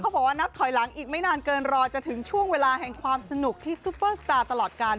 บอกว่านับถอยหลังอีกไม่นานเกินรอจะถึงช่วงเวลาแห่งความสนุกที่ซุปเปอร์สตาร์ตลอดกัน